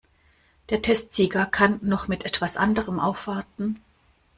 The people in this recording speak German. Der Testsieger kann noch mit etwas anderem aufwarten.